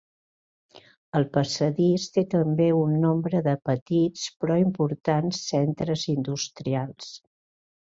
El passadís té també un nombre de petits però importants centres industrials.